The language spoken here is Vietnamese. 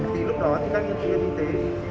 tí lúc đó thì các nhân viên y tế